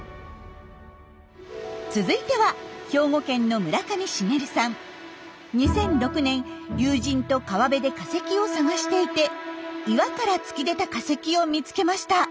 続いては兵庫県の２００６年友人と川辺で化石を探していて岩から突き出た化石を見つけました。